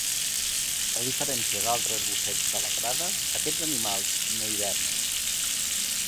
A diferència d'altres gossets de la prada, aquests animals no hibernen.